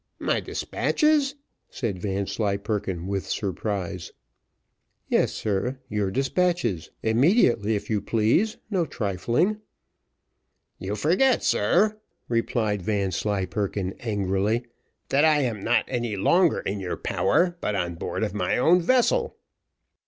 "My despatches!" said Vanslyperken with surprise. "Yes, sir, your despatches; immediately, if you please no trifling." "You forget, sir," replied Vanslyperken angrily, "that I am not any longer in your power, but on board of my own vessel."